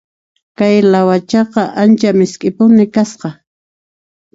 Kay lawachaqa ancha misk'ipuni kasqa.